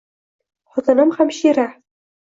Xotinim hamshira.